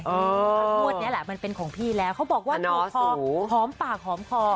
เพราะงวดนี้แหละมันเป็นของพี่แล้วเขาบอกว่าถูกคอหอมปากหอมคอ